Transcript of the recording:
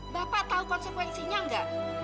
bapak tahu konsekuensinya nggak